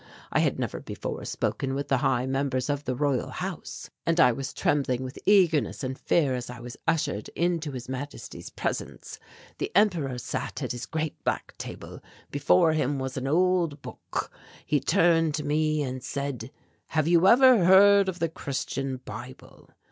"I had never before spoken with the high members of the Royal House, and I was trembling with eagerness and fear as I was ushered into His Majesty's presence. The Emperor sat at his great black table; before him was an old book. He turned to me and said, 'Have you ever heard of the Christian Bible?'